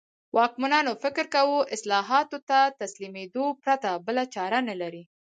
واکمنانو فکر کاوه اصلاحاتو ته تسلیمېدو پرته بله چاره نه لري.